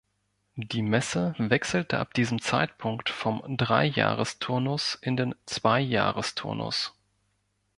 Die Messe wechselte ab diesem Zeitpunkt vom Drei-Jahres-Turnus in den Zwei-Jahres-Turnus.